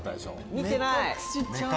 見てない。